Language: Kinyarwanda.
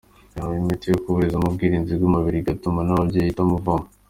Yahawe imiti yo kuburizamo ubwirinzi bw'umubiri igatuma nyababyeyi itamuvamo.